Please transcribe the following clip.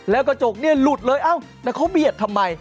แล้วกระจกเนี่ยหลุดเลยเอ้าแล้วเขาเบียดทำไม